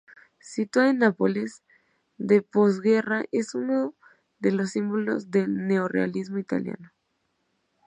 Situada en Nápoles de posguerra es uno de los símbolos del neorrealismo italiano.